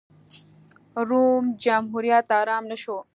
روم جمهوریت ارام نه شو.